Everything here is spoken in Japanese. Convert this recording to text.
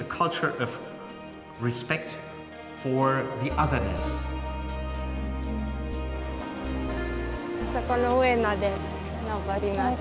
あそこの上まで登ります。